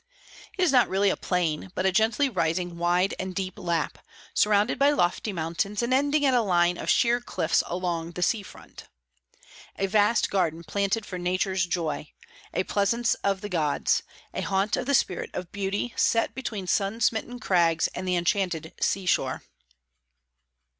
It is not really a plain, but a gently rising wide and deep lap, surrounded by lofty mountains and ending at a line of sheer cliffs along the sea front. A vast garden planted for Nature's joy; a pleasance of the gods; a haunt of the spirit of beauty set between sun smitten crags and the enchanted shore.